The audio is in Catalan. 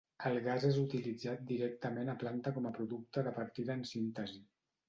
El gas és utilitzat directament a planta com a producte de partida en síntesi.